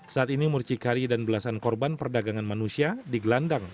saat ini mucikari dan belasan korban perdagangan manusia digelandang